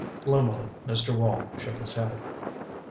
Gloomily Mr. Wall shook his head.